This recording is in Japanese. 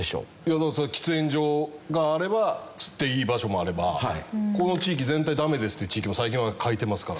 だからそれは喫煙所があれば吸っていい場所もあればこの地域全体駄目ですって地域も最近は書いてますから。